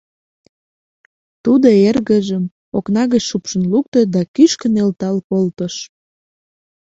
- Тудо эргыжым окна гыч шупшын лукто да кӱшкӧ нӧлтал колтыш.